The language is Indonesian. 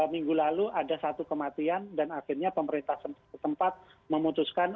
minggu lalu ada satu kematian dan akhirnya pemerintah setempat memutuskan